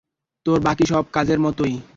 তোর বাকি সব কাজের মতোই।